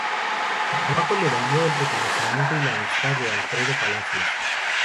Su trabajo le valió el reconocimiento y la amistad de Alfredo Palacios.